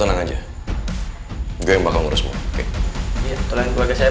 nanti saya balik ke rumah